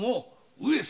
上様